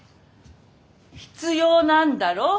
必要なんだろ？